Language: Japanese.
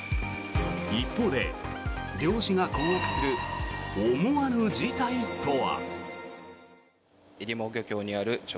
一方で漁師が困惑する思わぬ事態とは。